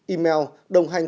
email đồng hành